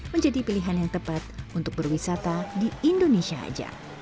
menjadi pilihan yang tepat untuk berwisata di indonesia saja